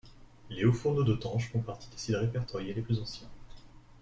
Les hauts-fourneaux d’Ottange font partie des sites répertoriés les plus anciens.